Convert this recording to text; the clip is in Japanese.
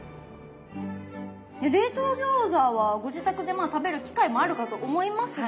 冷凍餃子はご自宅でまあ食べる機会もあるかと思いますが。